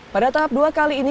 pada tahap dua kali ini